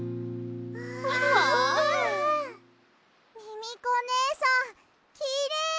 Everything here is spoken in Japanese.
ミミコねえさんきれい！